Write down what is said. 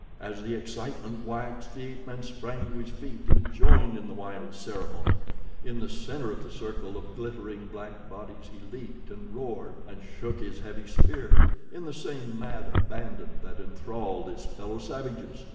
As the excitement waxed the ape man sprang to his feet and joined in the wild ceremony. In the center of the circle of glittering black bodies he leaped and roared and shook his heavy spear in the same mad abandon that enthralled his fellow savages.